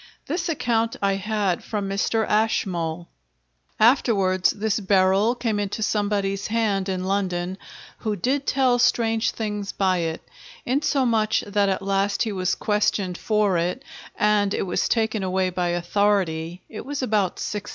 This account I had from Mr. Ashmole. Afterwards this Beryl came into somebody's hand in London who did tell strange things by it; insomuch that at last he was questioned for it, and it was taken away by authority (it was about 1645).